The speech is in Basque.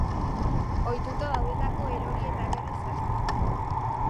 Ohituta daudelako erori eta berriz hasten.